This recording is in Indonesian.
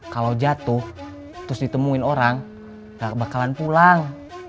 kalau jatuh terus ditemuin orang gak bakalan pulang